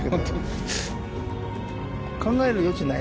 考える余地、ない。